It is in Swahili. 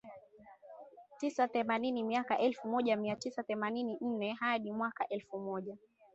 tisa themanini Miaka elfu moja mia tisa themanini na nne hadi mwaka elfu moja